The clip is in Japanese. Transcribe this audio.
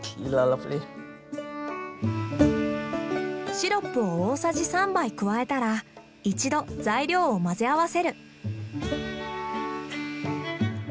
シロップを大さじ３杯加えたら一度材料を混ぜ合わせる。